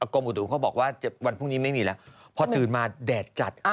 ของเรานะแต่ถามว่าของเขาแม่นเหรอ